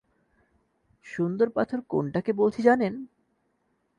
সুন্দর পাথর কোনটাকে বলছি জানেন?